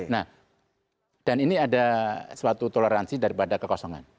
nah dan ini ada suatu toleransi daripada kekosongan